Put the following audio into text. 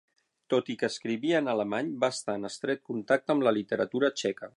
Tot i que escrivia en alemany, va estar en estret contacte amb la literatura txeca.